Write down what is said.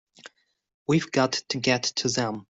We've got to get to them!